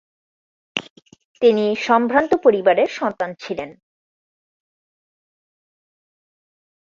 তিনি সম্ভ্রান্ত পরিবারের সন্তান ছিলেন।